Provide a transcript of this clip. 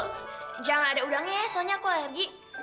udah aja gak ada udangnya ya soalnya aku alergi